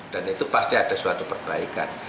dan itu pasti ada suatu perbaikan